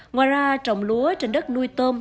ngoài ra trồng lúa trên đất nuôi tôm